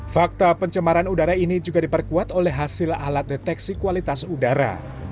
fakta pencemaran udara ini juga diperkuat oleh hasil alat deteksi kualitas udara